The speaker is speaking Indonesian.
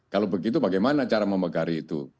kalau begitu bagaimana cara memegari itu